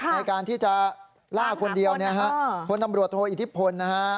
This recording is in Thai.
ในการที่จะล่าคนเดียวนะฮะพลตำรวจโทอิทธิพลนะฮะ